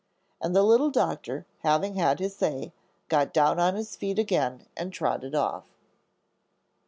And the little Doctor, having said his say, got down on his feet again and trotted off.